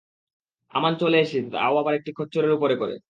আমান চলে এসেছে তাও আবার একটি খচ্চরের উপরে করে।